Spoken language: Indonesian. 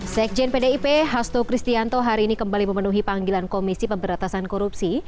sekjen pdip hasto kristianto hari ini kembali memenuhi panggilan komisi pemberatasan korupsi